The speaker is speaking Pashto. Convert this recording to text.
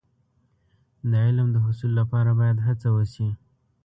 د علم د حصول لپاره باید هڅه وشي.